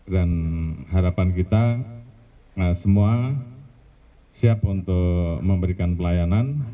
dan harapan kita semua siap untuk memberikan pelayanan